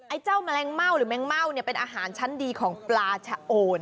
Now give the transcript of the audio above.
เจ้าแมลงเม่าหรือแมงเม่าเนี่ยเป็นอาหารชั้นดีของปลาชะโอน